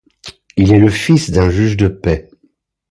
Il est le fils d'un juge de paix.